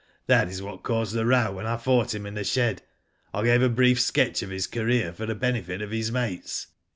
That is what caused the row. when I fought him in the shed. I gave a brief sketch of his career for the benefit of his mates."